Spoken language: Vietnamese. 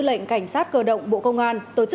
quỷ ban thường vụ quốc hội nhận thấy